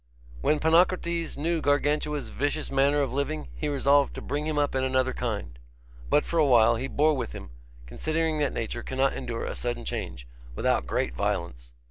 [Illustration: He did Swim in Deep Waters 1 23 048] When Ponocrates knew Gargantua's vicious manner of living, he resolved to bring him up in another kind; but for a while he bore with him, considering that nature cannot endure a sudden change, without great violence.